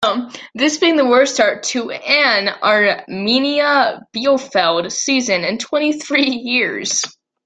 This being the worst start to an Arminia Bielefeld season in twenty-three years.